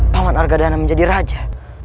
paman argadana menjadi raja